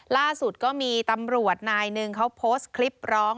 ล่าสุดก็มีตำรวจนายหนึ่งเขาโพสต์คลิปร้อง